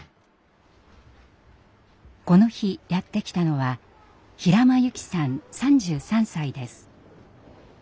この日やって来たのは平間優希さん３３歳です。